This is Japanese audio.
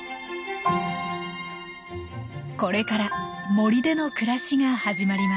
これから森での暮らしが始まります。